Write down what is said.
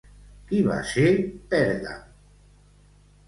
Qui va ser Pèrgam?